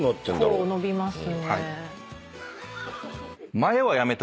結構伸びますね。